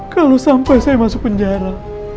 kalau sampai saya masuk penjara